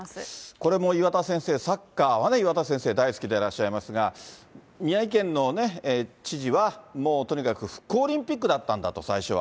これも岩田先生、サッカーはね、岩田先生、大好きでいらっしゃいますが、宮城県の知事は、もうとにかく復興オリンピックだったんだと、最初は。